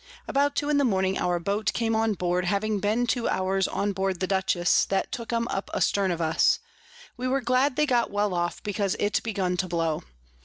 About two in the Morning our Boat came on board, having been two hours on board the Dutchess, that took 'em up a stern of us: we were glad they got well off, because it begun to blow.